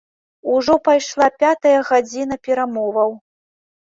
Ужо пайшла пятая гадзіна перамоваў.